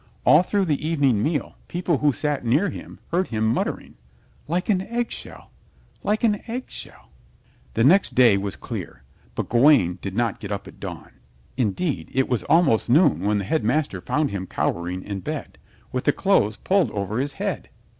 All through the evening meal people who sat near him heard him muttering, "Like a egg shell, like a egg shell." The next day was clear, but Gawaine did not get up at dawn. Indeed, it was almost noon when the Headmaster found him cowering in bed, with the clothes pulled over his head.